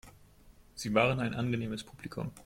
Sie waren ein angenehmes Publikum.